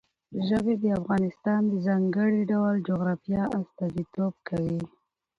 ژبې د افغانستان د ځانګړي ډول جغرافیه استازیتوب کوي.